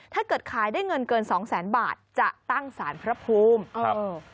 ถ้าเกิดขายได้เงินเกินสองแสนบาทจะตั้งสารพระภูมิเออ